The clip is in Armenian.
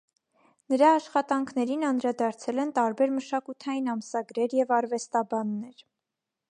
Նրա աշխատանքներին անդրադարձել են տարբեր մշակութային ամսագրեր և արվեստաբաններ։